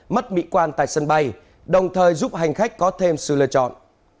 mất mỹ quan tại sân bay đồng thời giúp hành khách có thêm sự lựa chọn